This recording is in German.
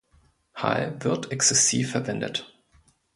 Hall wird exzessiv verwendet.